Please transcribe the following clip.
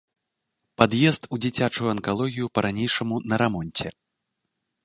Пад'езд у дзіцячую анкалогію па-ранейшаму на рамонце.